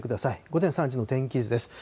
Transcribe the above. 午前３時の天気図です。